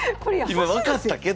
今分かったけど。